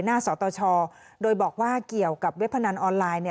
สตชโดยบอกว่าเกี่ยวกับเว็บพนันออนไลน์